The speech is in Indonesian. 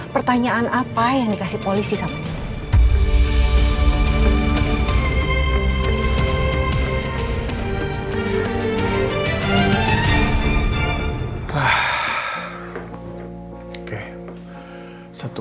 pertanyaan apa yang dikasih polisi sama nino